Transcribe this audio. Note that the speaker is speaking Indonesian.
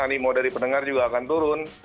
animo dari pendengar juga akan turun